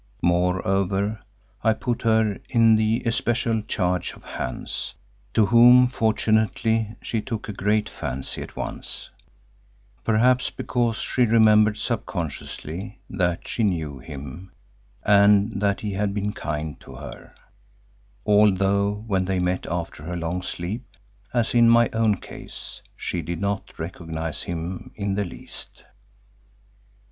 Moreover I put her in the especial charge of Hans, to whom fortunately she took a great fancy at once, perhaps because she remembered subconsciously that she knew him and that he had been kind to her, although when they met after her long sleep, as in my own case, she did not recognise him in the least.